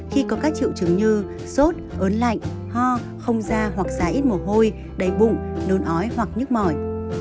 khi có các triệu chứng như sốt ớn lạnh ho không da hoặc da ít mồ hôi đầy bụng nôn ói hoặc nhức mỏi